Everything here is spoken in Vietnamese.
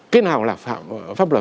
cái nào là pháp luật